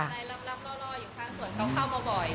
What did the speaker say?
ในลำรออยู่ข้างส่วนเขาเข้ามาบ่อย